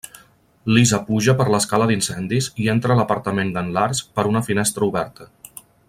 Lisa puja per l'escala d'incendis i entra a l'apartament d'en Lars per una finestra oberta.